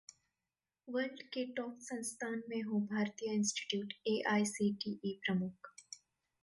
world के top संस्थान में हो भारतीय इंस्टीट्यूट: एआईसीटीई प्रमुख